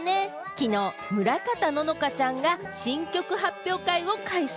きのう村方乃々佳ちゃんが新曲発表会を開催。